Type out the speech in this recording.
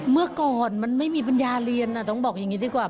เมื่อก่อนมันไม่มีปัญญาเรียนต้องบอกอย่างนี้ดีกว่า